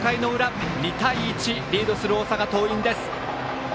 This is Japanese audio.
２対１、リードする大阪桐蔭です。